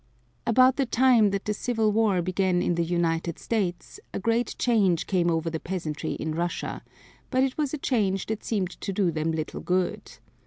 About the time that the Civil War began in the United States a great change came over the peasantry in Russia, but it was a change that seemed to do them little good.